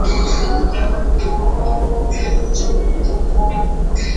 毋丘俭事后被诛灭三族。